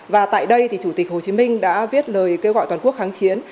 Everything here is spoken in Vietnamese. và tại đây chủ tịch hồ chí minh đã viết lời kêu gọi toàn quốc kháng chiến